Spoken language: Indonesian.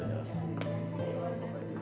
pak ridwan jangan khawatir